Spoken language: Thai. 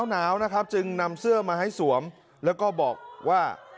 หนาวนะครับจึงนำเสื้อมาให้สวมแล้วก็บอกว่า